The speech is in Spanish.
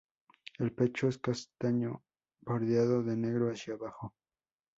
El pecho es castaño, bordeado de negro hacia abajo.